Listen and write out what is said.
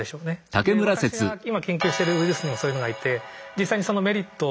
私が今研究してるウイルスにもそういうのがいて実際にそのメリット